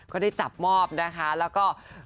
ก็ได้จับมอบนะคะแล้วก็